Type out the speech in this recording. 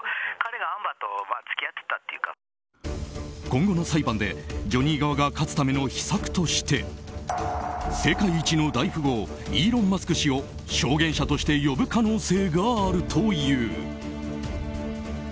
今後の裁判で、ジョニー側が勝つための秘策として世界一の大富豪イーロン・マスク氏を証言者として呼ぶ可能性があるという。